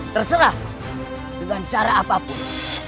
terserah dengan cara apapun